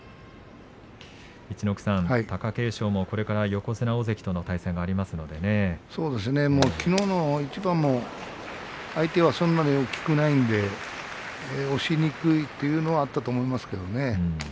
陸奥さん、貴景勝もこれから横綱、大関との対戦がきのうの一番も相手はそんなに大きくないので押しにくいというのはあったと思うんですけどね。